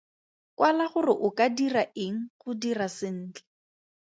Kwala gore o ka dira eng go dira sentle.